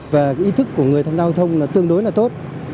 và ý thức của người tham gia giao thông tương đối là tốt